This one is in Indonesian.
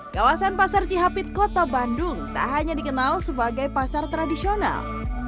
kawasan pasar cihapit kota bandung tak hanya dikenal sebagai pasar tradisional